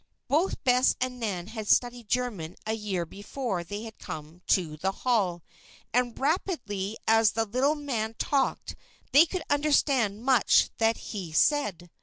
Both Bess and Nan had studied German a year before they came to the Hall, and rapidly as the little man talked they could understand much that he said.